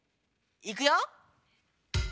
いくよ！